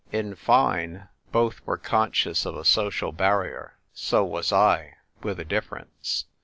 In fine, both were conscious of a social barrier. So was I — with a difference.